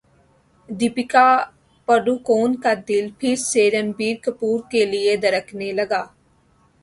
دپیکا پڈوکون کا دل پھر سے رنبیر کپور کے لیے دھڑکنے لگا